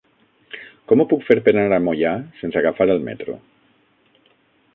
Com ho puc fer per anar a Moià sense agafar el metro?